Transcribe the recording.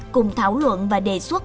cùng thảo luận và đề xuất